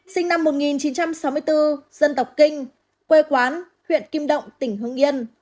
sinh năm một nghìn chín trăm sáu mươi bốn dân tộc kinh quê quán huyện kim động tỉnh hưng yên